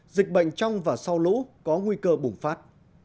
dịch bệnh trong và sau lũ có nguy cơ bùng phát